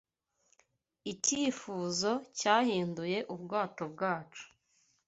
Icyifuzo cyahinduye ubwato bwacu